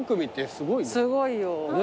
すごいよ。